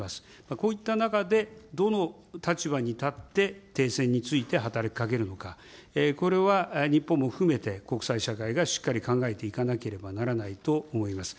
こういった中で、どの立場に立って停戦について働きかけるのか、これは日本も含めて、国際社会がしっかり考えていかなければならないと思います。